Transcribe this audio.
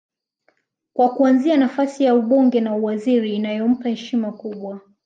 kwa kuanzia na nafasi ya ubunge na uwaziri inayompa heshima kubwa